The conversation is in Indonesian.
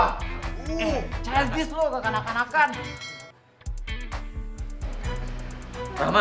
eh cara gis lo kekanakan kanakan